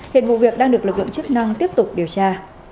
hiện vụ việc đang được lực lượng chức năng tiếp tục điều tra